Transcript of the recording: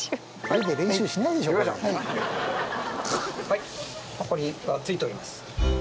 はいこれはついております